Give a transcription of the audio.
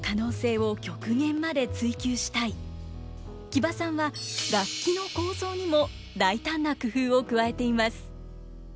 木場さんは楽器の構造にも大胆な工夫を加えています。